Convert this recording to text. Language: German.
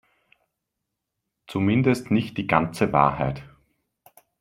Zumindest nicht die ganze Wahrheit.